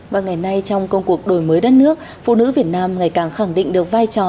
và ngày nay trong công cuộc đổi mới đất nước phụ nữ việt nam ngày càng khẳng định được vai trò